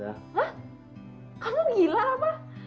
hah kamu gila ma